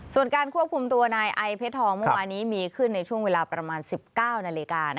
ส่วนการควบคุมตัวนายไอเพชรทองเมื่อวานี้มีขึ้นในช่วงเวลาประมาณ๑๙นาฬิกา